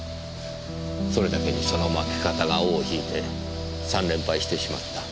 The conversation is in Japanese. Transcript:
それだけにその負け方が尾を引いて三連敗してしまった。